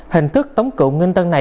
hình thức tống cụ ngân tân này